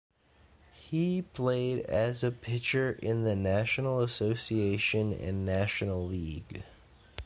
He played as a pitcher in the National Association and National League.